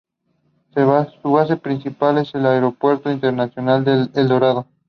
Su base principal es el Aeropuerto Internacional El Dorado.